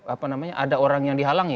apa namanya ada orang yang dihalangi